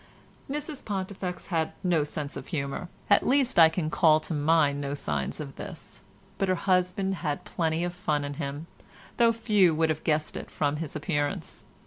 Mrs Pontifex had no sense of humour, at least I can call to mind no signs of this, but her husband had plenty of fun in him, though few would have guessed it from his appearance.